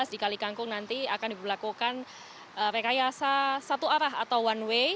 empat ratus empat belas di kali kangkung nanti akan diberlakukan rekayasa satu arah atau one way